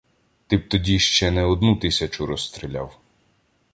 — Ти б тоді ще не одну тисячу розстріляв.